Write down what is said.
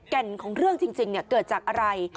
แก่นของเรื่องจริงเกิดจากอะไร